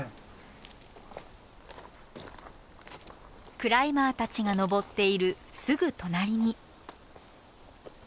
クライマーたちが登っているすぐ隣に。